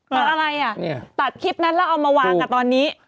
อะไรอ่ะตัดคลิปนั้นแล้วเอามาวางอ่ะตอนนี้